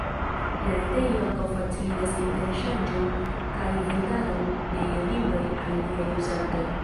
La retejo ankaŭ faciligas interŝanĝon kaj vendadon de libroj al aliaj uzantoj.